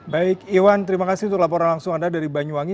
baik iwan terima kasih untuk laporan langsung anda dari banyuwangi